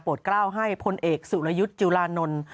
กล้าวให้พลเอกสุรยุทธ์จุลานนท์